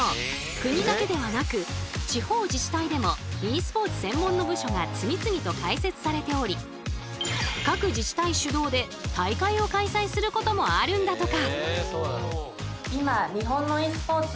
国だけではなく地方自治体でもｅスポーツ専門の部署が次々と開設されており各自治体主導で大会を開催することもあるんだとか。